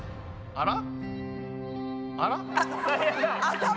あら？